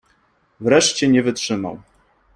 Wreszcie nie wytrzymał.